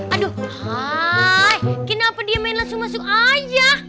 aduh kenapa dia langsung masuk aja